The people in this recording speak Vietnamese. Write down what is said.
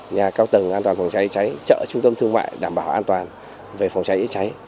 nhà cao tầng an toàn phòng cháy cháy chợ trung tâm thương mại đảm bảo an toàn về phòng cháy chữa cháy